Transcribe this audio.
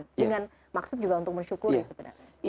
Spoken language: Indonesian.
dengan maksud juga untuk bersyukur ya sebenarnya